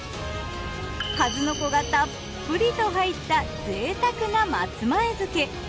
数の子がたっぷりと入ったぜいたくな松前漬。